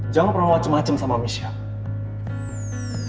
jangan pernah macem macem sama michelle